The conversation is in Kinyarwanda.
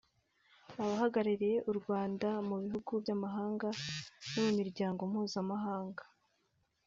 Abahagarariye u Rwanda mu bihugu by’amahanga no mu miryango mpuzamahanga